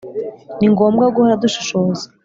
. Ni ngombwa guhora dushishoza